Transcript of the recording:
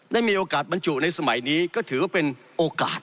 ได้มีโอกาสบรรจุในสมัยนี้ก็ถือว่าเป็นโอกาส